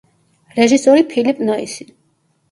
რეჟისორი ფილიპ ნოისი.